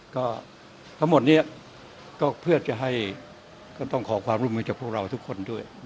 ก็ทั้งหมดนี้ก็เพื่อจะให้ก็ต้องขอความร่วมมือจากพวกเราทุกคนด้วย